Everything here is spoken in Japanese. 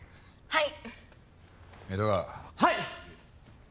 はい！